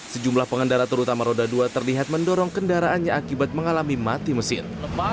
sejumlah pengendara terutama roda dua terlihat mendorong kendaraannya akibat mengalami mati mesin